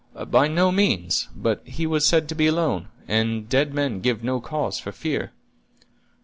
"By no means. But he was said to be alone, and dead men give no cause for fear."